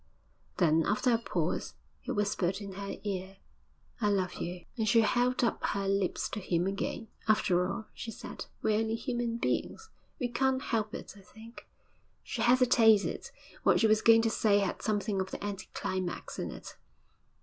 Then, after a pause, he whispered in her ear, 'I love you!' And she held up her lips to him again. 'After all,' she said, 'we're only human beings. We can't help it. I think ' She hesitated; what she was going to say had something of the anti climax in it.